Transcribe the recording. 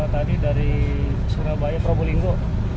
tadi dari surabaya provolinggo